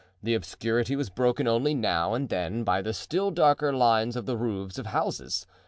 The obscurity was broken only now and then by the still darker lines of the roofs of houses.